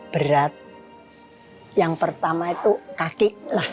berat yang pertama itu kaki lah